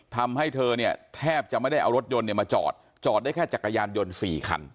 ทำให้เธอเนี่ยแทบจะไม่ได้เอารถยนต์เนี่ยมาจอดจอดได้แค่จักรยานยนต์๔คัน